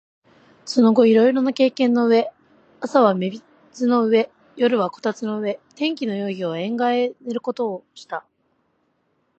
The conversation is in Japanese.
その後いろいろ経験の上、朝は飯櫃の上、夜は炬燵の上、天気のよい昼は縁側へ寝る事とした